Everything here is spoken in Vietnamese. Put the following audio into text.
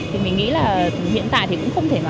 thì mình nghĩ là hiện tại thì cũng không thể nào